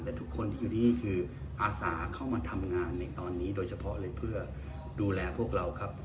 แต่ทุกคนที่อยู่นี่คืออาสาเข้ามาทำงานในตอนนี้โดยเฉพาะเลยเพื่อดูแลพวกเราครับ